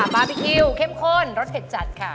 บาร์บีคิวเข้มข้นรสเผ็ดจัดค่ะ